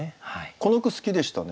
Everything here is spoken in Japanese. この句好きでしたね。